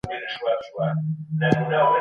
هر قوم خپل ځانګړی او جلا تاریخ لري.